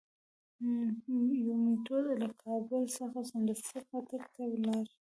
پومپیو له کابل څخه سمدستي قطر ته ولاړ.